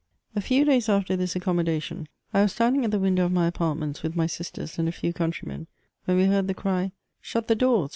A few days after this accommodation, I was standing at the window of my apartments with my sisters and a few countrymen, when we heiurd the cry, '' Shut the doors